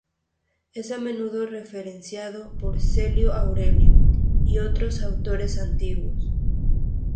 Es a menudo referenciado por Celio Aureliano y otros autores antiguos.